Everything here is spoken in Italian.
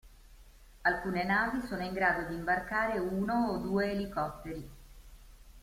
Alcune navi sono in grado di imbarcare uno o due elicotteri.